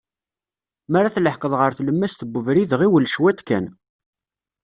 Mi ara tleḥqeḍ ɣer tlemmas n ubrid, ɣiwel cwiṭ kan.